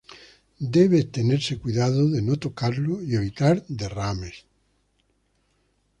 Debe tenerse cuidado de no tocarlo y evitar derrames.